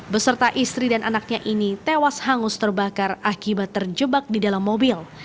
beserta istri dan anaknya ini tewas hangus terbakar akibat terjebak di dalam mobil